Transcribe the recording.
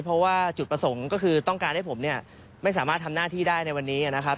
เพราะว่าจุดประสงค์ก็คือต้องการให้ผมเนี่ยไม่สามารถทำหน้าที่ได้ในวันนี้นะครับ